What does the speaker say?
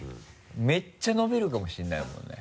めっちゃ伸びるかもしれないもんね。